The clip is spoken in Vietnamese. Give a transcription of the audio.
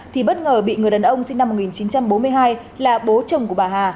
thì bất ngờ bị người đàn ông sinh năm một nghìn chín trăm bốn mươi hai là bố chồng của bà hà